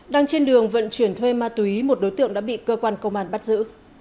đang trên đường vận chuyển thuê ma túy một đối tượng đã bị cơ quan công an bắt giữ